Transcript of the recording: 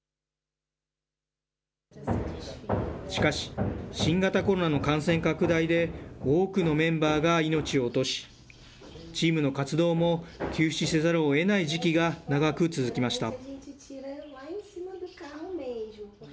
しかし、新型コロナの感染拡大で、多くのメンバーが命を落とし、チームの活動も休止せざるをえない時期が長く続きました。